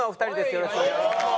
よろしくお願いします。